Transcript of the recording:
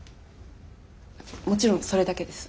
もちろんそれだけです。